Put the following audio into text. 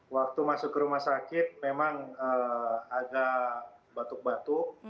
waktu masuk ke rumah sakit memang agak batuk batuk